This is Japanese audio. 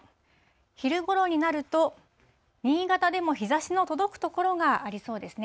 昼ごろになると、新潟でも日ざしの届く所がありそうですね。